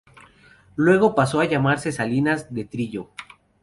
Luego pasó a llamarse "Salinas de Trillo".